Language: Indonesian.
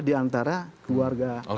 di antara keluarga